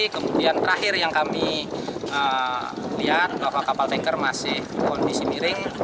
kemudian terakhir yang kami lihat bahwa kapal tanker masih kondisi miring